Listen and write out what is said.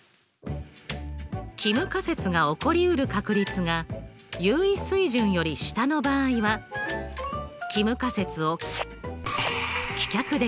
帰無仮説が起こりうる確率が有意水準より下の場合は帰無仮説を棄却できます。